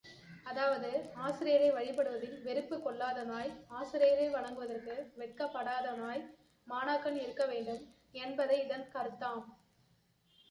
அஃதாவது, ஆசிரியரை வழிபடுவதில் வெறுப்புக் கொள்ளாதவனாய் ஆசிரியரை வணங்குவதற்கு வெட்கப்படாதவனாய் மாணாக்கன் இருக்க வேண்டும் என்பது இதன் கருத்தாம்.